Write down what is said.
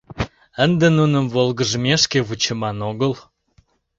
Ынде нуным волгыжмешке вучыман огыл.